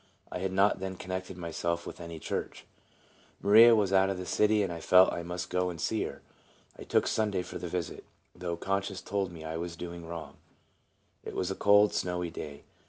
I had not then connected myself with any church. Maria was out of the city, and I felt I must go and see her. I took Sunday for the visit, though conscience told me I was doing wrong. It was a cold, snowy day.